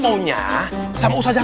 bisa ustaz jah